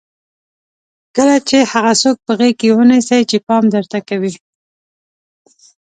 کله چې هغه څوک په غېږ ونیسئ چې پام درته کوي.